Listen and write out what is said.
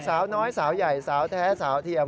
สาวน้อยสาวใหญ่สาวแท้สาวเทียม